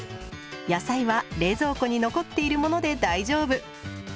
野菜は冷蔵庫に残っているもので大丈夫。